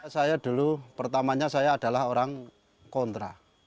saya dulu pertamanya saya adalah orang kontra